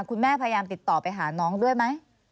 พยายามติดต่อไปหาน้องด้วยไหม